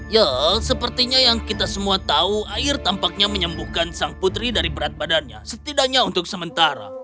yel sepertinya yang kita semua tahu air tampaknya menyembuhkan sang putri dari berat badannya setidaknya untuk sementara